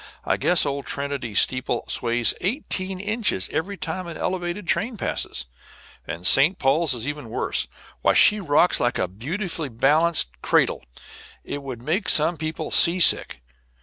I guess old Trinity's steeple sways eighteen inches every time an elevated train passes. And St. Paul's is even worse. Why, she rocks like a beautifully balanced cradle; it would make some people seasick.